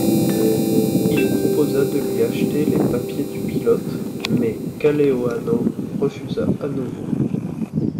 Il proposa de lui acheter les papiers du pilote, mais Kaleohano refusa à nouveau.